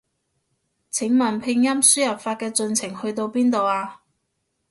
請問拼音輸入法嘅進程去到邊度啊？